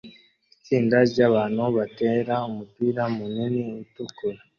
Itsinda ryabantu batera umupira munini utukura